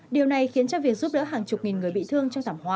điều này khiến cho việc giúp đỡ hàng chục nghìn người bị thương trong thảm họa